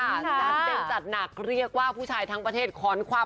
จัดเต็มจัดหนักเรียกว่าผู้ชายทั้งประเทศค้อนคว่ำ